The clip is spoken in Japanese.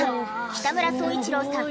北村総一朗さん